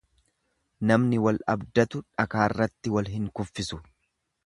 Namni wal abdatu dhakaarratti wal hin kuffisu.